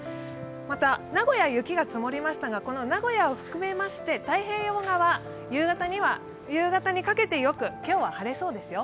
また名古屋、雪が積もりましたが、この名古屋を含めまして太平洋側、夕方にかけて今日はよく晴れそうですよ。